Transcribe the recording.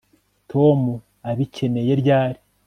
tom abikeneye ryari